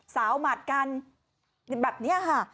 สาวหมาตกันแบบนี้